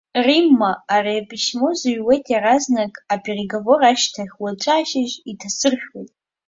Римма, ари аписьмо зыҩуеит иаразнак апереговор ашьҭахь, уаҵәы ашьыжь иҭасыршәуеит.